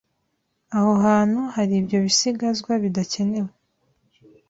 aho hantu hari ibyo bisigazwa bidakenewe,